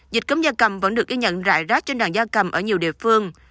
dịch cúm da cầm vẫn được ghi nhận rại rát trên đàn da cầm ở nhiều địa phương